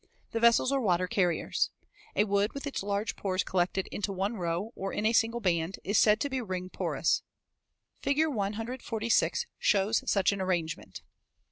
The vessels are water carriers. A wood with its large pores collected into one row or in a single band is said to be ring porous. Fig. 146 shows such an arrangement.